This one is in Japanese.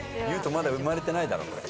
ゆうとまだ生まれてないだろ？